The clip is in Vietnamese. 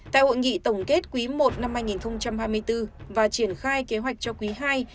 tại hội nghị tổng kết quý i năm hai nghìn hai mươi bốn và triển khai kế hoạch cho quý ii